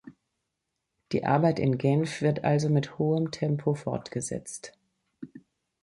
Die Arbeit in Genf wird also mit hohem Tempo fortgesetzt.